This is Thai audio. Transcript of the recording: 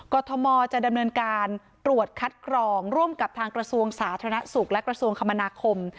ทมจะดำเนินการตรวจคัดกรองร่วมกับทางกระทรวงสาธารณสุขและกระทรวงคมนาคม